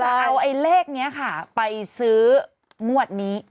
เขาก็เลยคิดว่าจะเอาเลขนี้ค่ะไปซื้อมวดนี้